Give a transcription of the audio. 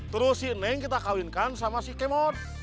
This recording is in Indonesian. terus si neng kita kawinkan sama si kemot